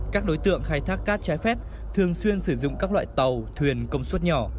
các đối tượng khai thác cát trái phép thường xuyên sử dụng các loại tàu thuyền công suất nhỏ